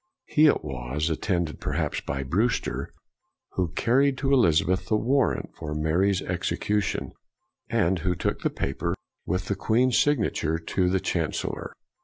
He it was, attended per haps by Brewster, who carried to Eliza beth the warrant for Mary's execution, and who took the paper with the queen's signa i 9 4 BREWSTER ture to the chancellor.